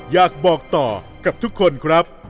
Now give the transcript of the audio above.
อยากบอกต่อกับทุกคนครับ